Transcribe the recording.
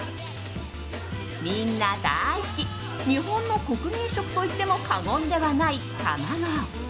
みんな大好き日本の国民食といっても過言ではない、卵。